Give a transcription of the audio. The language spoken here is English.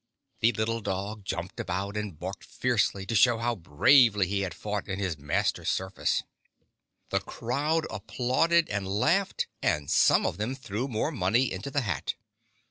The little dog jumped about and barked fiercely to show how bravely he had fought in his master's service. The crowd applauded and laughed, and some of them threw more money into the hat.